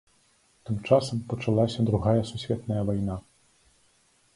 Тым часам пачалася другая сусветная вайна.